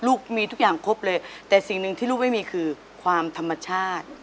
ลูกมีทุกอย่างครบเลยแต่สิ่งหนึ่งที่ลูกไม่มีคือความธรรมชาติ